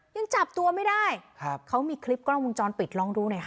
ยังจับตัวไม่ได้ครับเขามีคลิปกล้องวงจรปิดลองดูหน่อยค่ะ